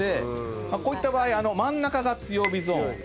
こういった場合真ん中が強火ゾーン。